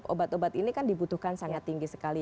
obat obat ini kan dibutuhkan sangat tinggi sekali